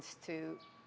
itu satu hal